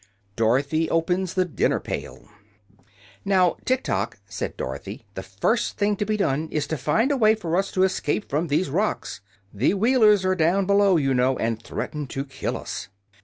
Dorothy Opens the Dinner Pail "Now Tiktok," said Dorothy, "the first thing to be done is to find a way for us to escape from these rocks. The Wheelers are down below, you know, and threaten to kill us."